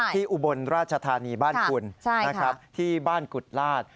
ที่อุบลราชธานีบ้านคุณที่บ้านกุฎลาศ